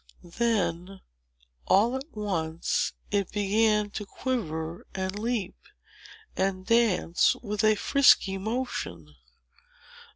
Then, all at once, it began to quiver, and leap, and dance, with a frisky motion.